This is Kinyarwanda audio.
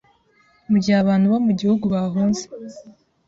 mu gihe abantu bo mu gihugu bahunze